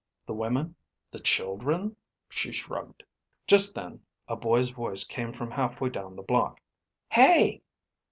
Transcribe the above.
The women, the children...?" She shrugged. Just then a boy's voice came from halfway down the block. "Hey!"